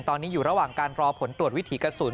ตอนนี้อยู่ระหว่างการรอผลตรวจวิถีกระสุน